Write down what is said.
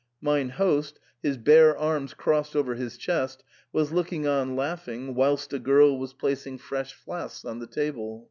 Mine host, his bare arms crossed over his chest, was looking on laughing, whilst a girl was placing fresh flasks on the table.